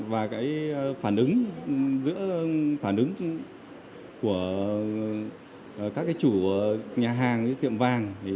và phản ứng giữa phản ứng của các chủ nhà hàng tiệm vang